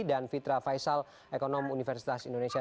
dan fitra faisal ekonom universitas indonesia